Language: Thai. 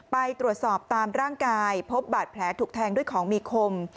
ไปตรวจสอบตามร่างกายพบบาดแผลถูกแทงด้วยของมีคม